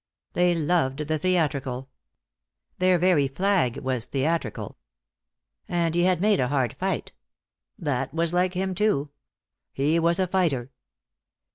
They loved the theatrical. Their very flag was theatrical. And he had made a hard fight That was like him, too; he was a fighter.